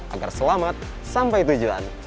agar selamat sampai tujuan